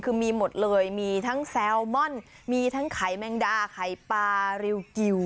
คือมีหมดเลยมีทั้งแซลมอนมีทั้งไข่แมงดาไข่ปลาริวกิว